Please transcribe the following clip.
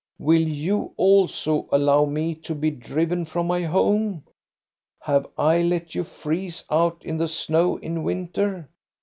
"Will you also allow me to be driven from my home? Have I let you freeze out in the snow in winter?